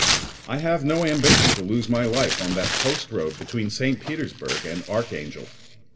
I have no ambition to lose my life on the post road between St. Petersburgh and Archangel.